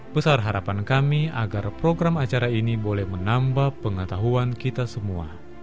besar harapan kami agar program acara ini boleh menambah pengetahuan kita semua